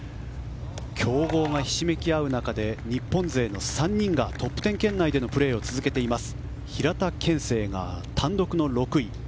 強豪がひしめき合う中で日本勢の３人がトップ１０圏内でのプレーを続けています。